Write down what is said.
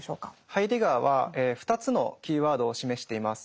ハイデガーは２つのキーワードを示しています。